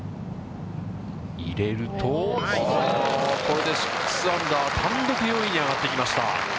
入れると、これで６アンダー、単独４位に上がってきました。